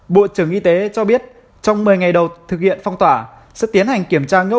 bộ trưởng y tế cho biết trong một mươi ngày đầu thực hiện phong tỏa sẽ tiến hành kiểm tra ngẫu